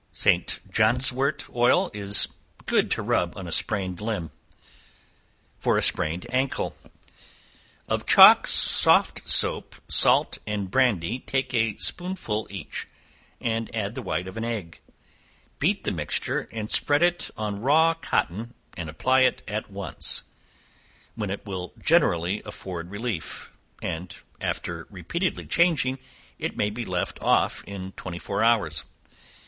St. Johnswort oil is good to rub on a sprained limb. For a Sprained Ancle. Of chalk, soft soap, salt, and brandy, take a spoonful each, and add the white of an egg; beat the mixture, and spread it on raw cotton, and apply it at once, when it will generally afford relief; and after repeatedly changing, it may be left off in twenty four hours.